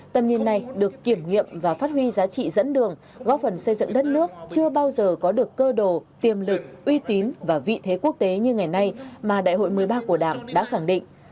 tầm nhìn này được kiểm nghiệm và phát huy giá trị dẫn đường góp phần xây dựng đất nước chưa bao giờ có được cơ đồ tiềm lực uy tín và vị thế quốc tế như ngày nay mà đại hội một mươi ba của đảng đã khẳng định